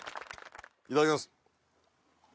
いただきます。